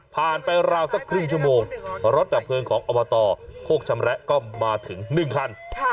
ไปราวสักครึ่งชั่วโมงรถดับเพลิงของอบตโคกชำระก็มาถึง๑คัน